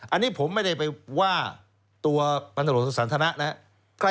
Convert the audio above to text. อันนี้ผมไม่ได้ไปว่าตัวพันธุรกิจสันตนัก